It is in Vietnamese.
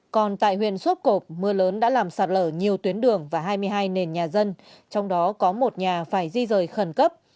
còn tại huyện sốp cộp mưa lớn đã làm sạt lở nhiều tuyến đường và hai mươi hai nền nhà dân trong đó có một nhà phải di rời khẩn cấp